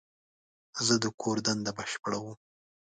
زه د کور دنده بشپړوم.